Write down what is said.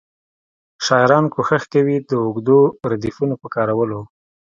شاعران کوښښ کوي د اوږدو ردیفونو په کارولو.